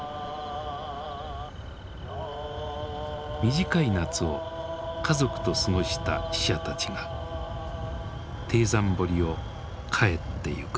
短い夏を家族と過ごした死者たちが貞山堀を帰っていく。